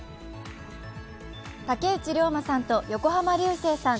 竹内涼真さんと横浜流星さん